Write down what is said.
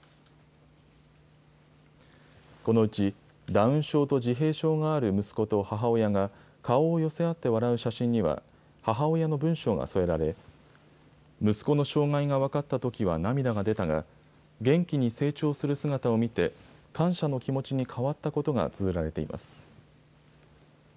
このうち、ダウン症と自閉症がある息子と母親が、顔を寄せ合って笑う写真には、母親の文章が寄せられ、息子の障害が分かったときは涙が出たが、元気に成長する姿を見て、感謝の気持ちに変わったことがつづられています。